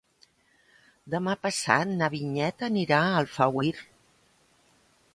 Demà passat na Vinyet anirà a Alfauir.